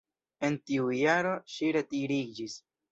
En tiu jaro ŝi retiriĝis.